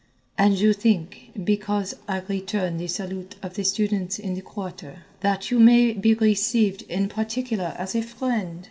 "And you think, because I return the salute of the students in the Quarter, that you may be received in particular as a friend?